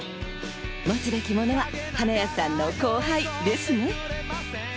持つべきものは花屋さんの後輩ですね。